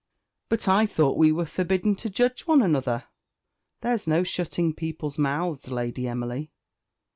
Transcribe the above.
"But I thought we were forbidden to judge one another?" "There's no shutting people's mouths, Lady Emily."